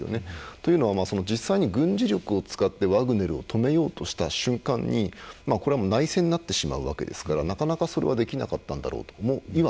というのは、実際に軍事力を使ってワグネルを止めようとした瞬間に内戦になってしまうわけですからなかなかそれはできなかったんだろうと。